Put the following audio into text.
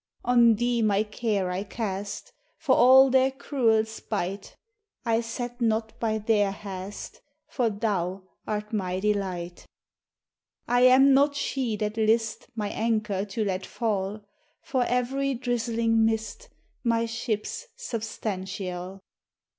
On thee my care I cast, For all their cruell spight; I set not by their hast, For thou art my delight. 138 THE HIGHER LIFE. I am not she that list My anker to let fall For every drislinge mist; My shippers substancial.